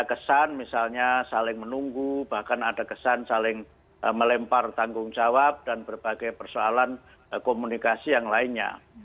ada kesan misalnya saling menunggu bahkan ada kesan saling melempar tanggung jawab dan berbagai persoalan komunikasi yang lainnya